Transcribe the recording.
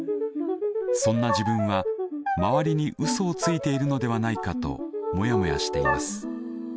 そんな自分は周りにウソをついているのではないかとモヤモヤしています。